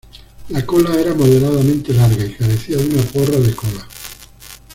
La cola era moderadamente larga y carecía de una porra de cola.